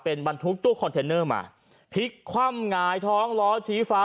เป็นบรรทุกตู้คอนเทนเนอร์มาพลิกคว่ำหงายท้องล้อชี้ฟ้า